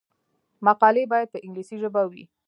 مقالې باید په انګلیسي ژبه وي.